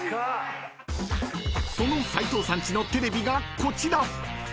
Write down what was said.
［その斎藤さんちのテレビがこちら］